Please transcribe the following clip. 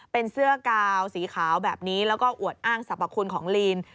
เป็นเสื้อกาวสีขาวแบบนี้แล้วก็อวดอ้างสรรพคุณของลีน